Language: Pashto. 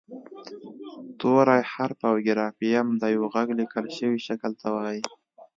توری حرف او ګرافیم د یوه غږ لیکل شوي شکل ته وايي